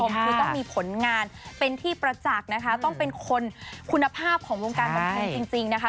คือต้องมีผลงานเป็นที่ประจักษ์นะคะต้องเป็นคนคุณภาพของวงการบันเทิงจริงนะคะ